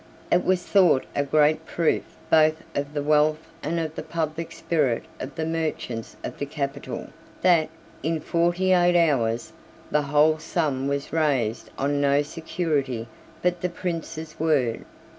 It was thought a great proof, both of the wealth and of the public spirit of the merchants of the capital, that, in forty eight hours, the whole sum was raised on no security but the Prince's word.